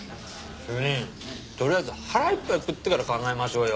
主任とりあえず腹いっぱい食ってから考えましょうよ。